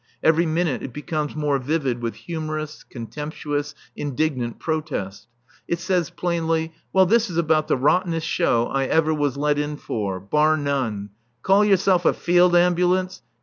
Every minute it becomes more vivid with humorous, contemptuous, indignant protest. It says plainly: "Well, this is about the rottenest show I ever was let in for. Bar none. Call yourself a field ambulance?